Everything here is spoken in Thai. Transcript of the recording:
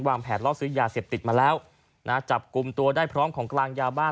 แผนล่อซื้อยาเสพติดมาแล้วนะจับกลุ่มตัวได้พร้อมของกลางยาบ้า